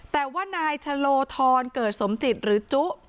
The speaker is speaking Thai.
แต่ว่านายชะโลธรเกิดสมจิตหรือจุ